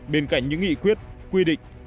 bên cạnh những nghị quyết quy định